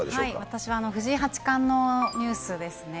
私は藤井八冠のニュースです